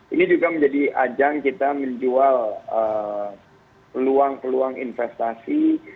ini juga menjadi ajang kita menjual peluang peluang investasi